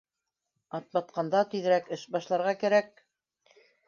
Атбатҡанда тиҙерәк эш башларға кәрәк